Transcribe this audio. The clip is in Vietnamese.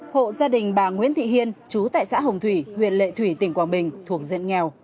hộ gia đình bà nguyễn thị hiên chú tại xã hồng thủy huyện lệ thủy tỉnh quảng bình thuộc diện nghèo